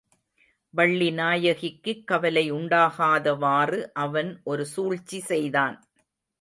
வள்ளிநாயகிக்குக் கவலை உண்டாகாதவாறு அவன் ஒரு சூழ்ச்சி செய்தான்.